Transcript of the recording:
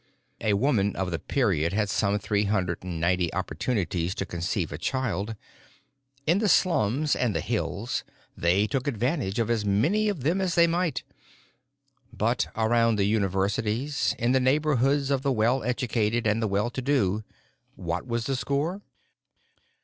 "A woman of the period had some three hundred and ninety opportunities to conceive a child. In the slums and the hills they took advantage of as many of them as they might. But around the universities, in the neighborhoods of the well educated and the well to do, what was the score?